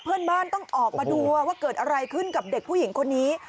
เพื่อนบ้านต้องออกมาดูว่าเกิดอะไรขึ้นกับเด็กผู้หญิงคนนี้